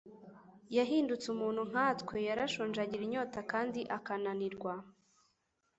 Yahindutse umuntu nka twe. Yarashonje, agira inyota kandi akananirwa.